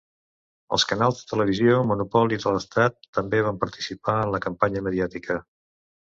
Els canals de televisió, monopoli de l'Estat, també van participar en la campanya mediàtica.